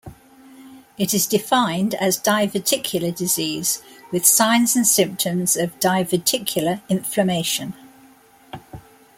It is defined as diverticular disease with signs and symptoms of diverticular inflammation.